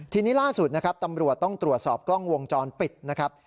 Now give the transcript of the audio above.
ทีนี้ล่าสุดนะครับตำรวจต้องตรวจสอบกล้องวงจรปิดนะครับ